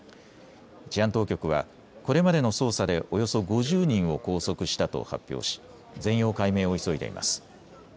治安当局はこれまでの捜査でおよそ５０人を拘束したと発表し全容解明を急いでいます。